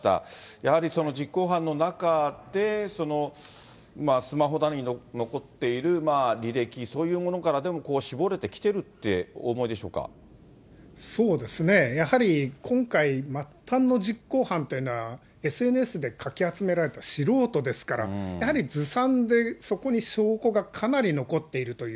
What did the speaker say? やはりその実行犯の中で、スマホの中に残っている履歴、そういうものから絞れそうですね、やはり今回、末端の実行犯というのは、ＳＮＳでかき集められた素人ですから、やはりずさんで、そこに証拠がかなり残っているという。